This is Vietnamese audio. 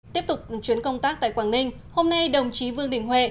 tiếp tục chuyến công tác tại quảng ninh hôm nay đồng chí vương đình huệ